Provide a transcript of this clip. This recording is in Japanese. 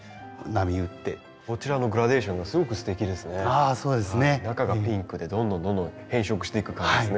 あそうですね。中がピンクでどんどんどんどん変色していく感じですね。